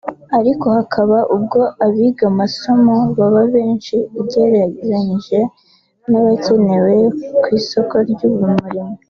ariko hakaba ubwo abiga amasomo baba benshi ugereranyije n’abakenewe ku isoko ry’umurimo